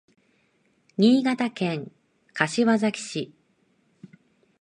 新潟県柏崎市